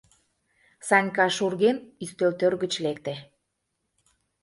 — Санька, шурген, ӱстел тӧр гыч лекте.